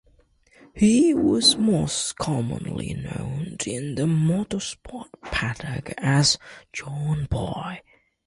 He was most commonly known in the motorsport paddock as "John Boy".